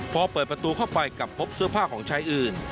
พอเปิดประตูเข้าไปกลับพบเสื้อผ้าของชายอื่น